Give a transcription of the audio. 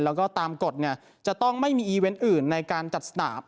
แล้วก็ตามกฎจะต้องไม่มีอีเวนต์อื่นในการจัดสนาม